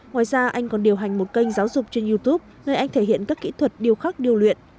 ngoài ra anh còn điều hành một kênh giáo dục trên youtube nơi anh thể hiện các kỹ thuật điều khắc điêu luyện